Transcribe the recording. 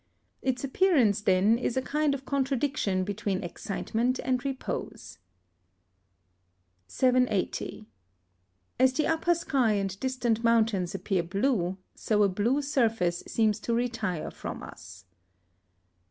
Its appearance, then, is a kind of contradiction between excitement and repose. 780. As the upper sky and distant mountains appear blue, so a blue surface seems to retire from us.